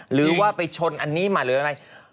หรือว่าไปชนอันนี้มาหรืออะไร